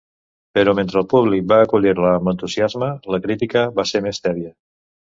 Però mentre el públic va acollir-la amb entusiasme, la crítica va ser més tèbia.